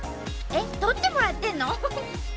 えっ取ってもらってんの！？